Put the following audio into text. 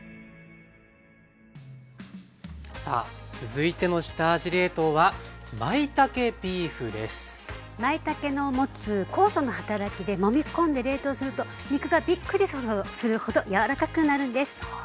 さあ続いての下味冷凍はまいたけの持つ酵素の働きでもみ込んで冷凍すると肉がびっくりするほど柔らかくなるんです。